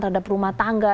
terhadap rumah tangga